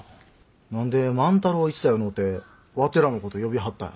何で万太郎一座やのうてわてらのこと呼びはったんやろ。